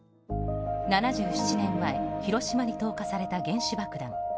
７７年前広島に投下された原子爆弾。